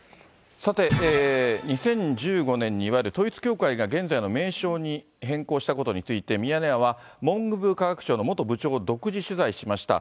さて、２０１５年にいわゆる統一教会が現在の名称に変更したことについて、ミヤネ屋は、文部科学省の元部長を独自取材しました。